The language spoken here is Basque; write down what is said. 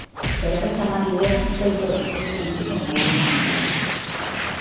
Berrogeita hamar libera doi-doi eginen nituen balantzan.